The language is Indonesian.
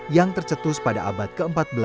yang tercetus pada abad ke empat belas